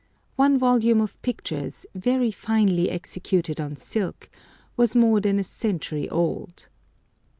One volume of pictures, very finely executed on silk, was more than a century old.